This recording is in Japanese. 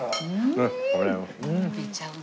うん！